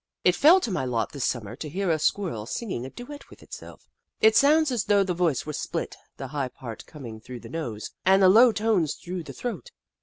It fell to my lot this Summer to hear a Squirrel singing a duet with itself. It sounds as though the voice were split, the high part comingf through the nose, and the low tones through the throat.